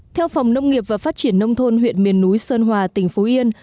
theo phòng nông nghiệp và phát triển nông thôn huyện miền núi sơn hòa tỉnh phú yên